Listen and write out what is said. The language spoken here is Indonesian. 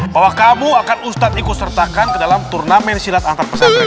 bahwa kamu akan ustadz ikut sertakan ke dalam turnamen silat antar pesantren